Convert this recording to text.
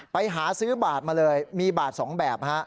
ไปหาซื้อบาดมาเลยมีบาดสองแบบ